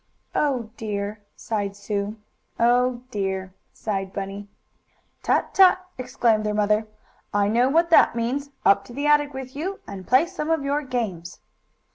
"Oh dear!" sighed Sue. "Oh dear!" sighed Bunny. "Tut! Tut!" exclaimed their mother. "I know what that means. Up to the attic with you, and play some of your games!"